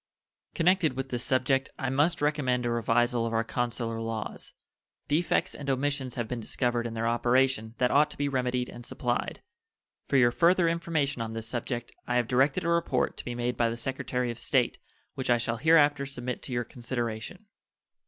Connected with this subject, I must recommend a revisal of our consular laws. Defects and omissions have been discovered in their operation that ought to be remedied and supplied. For your further information on this subject I have directed a report to be made by the Secretary of State, which I shall hereafter submit to your consideration.